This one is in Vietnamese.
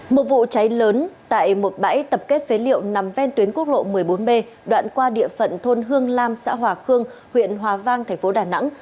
một vụ cháy lớn tại một bãi tập kết phế liệu nằm ven tuyến quốc lộ một mươi bốn b đoạn qua địa phận thôn hương lam xã hòa khương huyện hòa vang thành phố đà nẵng